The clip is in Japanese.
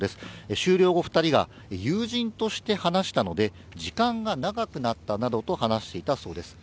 終了後、２人が友人として話したので、時間が長くなったなどと話していたそうです。